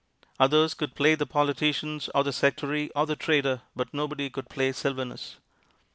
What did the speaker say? Others could play the politician or the sectary or the trader, but nobody could play Sylvanus.